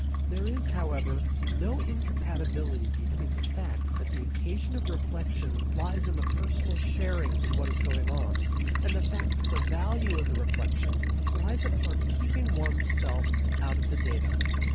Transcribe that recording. There is, however, no incompatibility between the fact that the occasion of reflection lies in a personal sharing in what is going on and the fact that the value of the reflection lies upon keeping one's self out of the data.